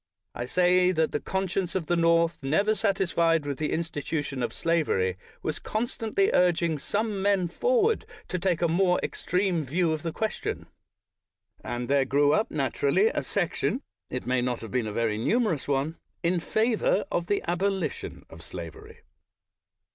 I say that the conscience of the North, never satisfied with the institution of slavery, was constantly urging some men forward to take a more extreme view of the question; and there grew up naturally a section — it may not have been a very numerous one — in favor of the abo lition of slavery.